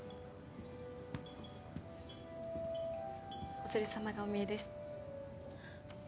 お連れさまがおみえです